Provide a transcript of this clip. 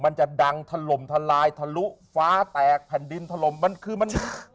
มันจะดังถล่มทลายทะลุฟ้าแตกแผ่นดินถล่มมันคือมัน